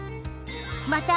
また